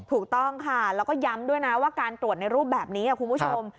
ถูกต้องค่ะแล้วก็ย้ำด้วยนะว่าการตรวจในรูปแบบนี้คุณผู้ชม